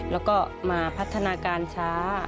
แล้วก็มาพัฒนาการช้า